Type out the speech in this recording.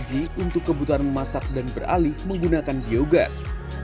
gaji untuk kebutuhan memasak dan beralih menggunakan biogas